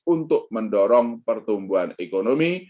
untuk mendorong pertumbuhan ekonomi